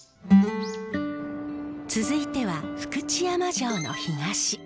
続いては福知山城の東。